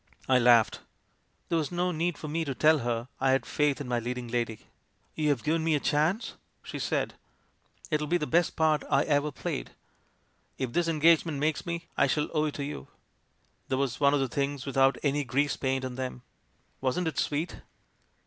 "I laughed. There was no need for me to tell her I had faith in my leading lady. " 'You have given me a chance!' she said. 'It'll be the best part I ever played. If this engage ment makes me, I shall owe it to you' There was one of the things without any grease paint on 'em. Wasn't it sweet?